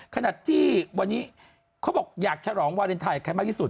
ขณะที่วันนี้เขาบอกอยากฉลองวาเลนไทยกับใครมากที่สุด